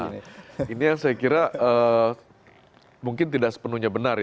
nah ini yang saya kira mungkin tidak sepenuhnya benar ya